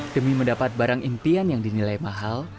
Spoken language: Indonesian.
demi mendapat barang impian yang dinilai mahal